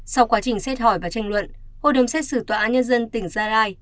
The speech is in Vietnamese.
sau quá trình xét hỏi và tranh luận hội đồng xét xử tòa án nhân dân tỉnh gia lai